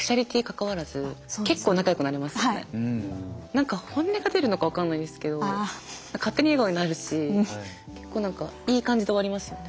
何か本音が出るのか分かんないですけど勝手に笑顔になるし結構何かいい感じで終わりますよね。